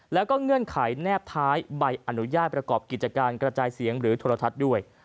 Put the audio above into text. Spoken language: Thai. แล้วก็เงื่อนไขแนบท้ายใบอนุญาตประกอบกิจการกระจายเสียงหรือโทรทัศน์ด้วย